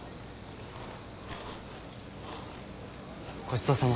ごちそうさま。